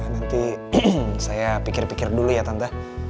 nanti saya pikir pikir dulu ya tanta